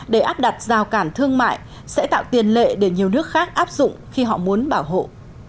để áp đặt rào cản thương mại sẽ tạo tiền lệ để nhiều nước khác áp dụng khi họ muốn bảo hộ